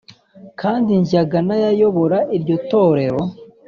kandi njyaga nayayobora iryo torero